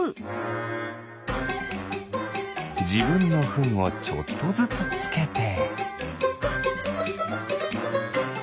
じぶんのフンをちょっとずつつけて。